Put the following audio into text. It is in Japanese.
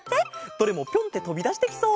どれもピョンってとびだしてきそう！